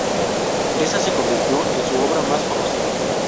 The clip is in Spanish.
Esa se convirtió en su obra más conocida.